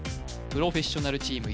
プロフェッショナルチーム